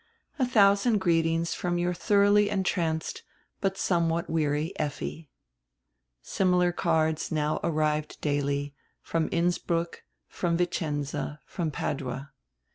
A thousand greetings from your thoroughly entranced, but somewhat weary Effi." Similar cards now arrived daily, from Innsbruck, from Vicenza, from Padua.